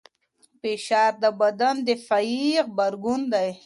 فشار د بدن دفاعي غبرګون دی.